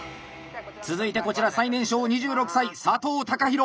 続いてこちら最年少２６歳佐藤貴弘！